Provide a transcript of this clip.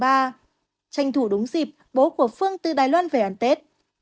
tranh thủ đúng dịp bố của phương từ đài loan về ăn tết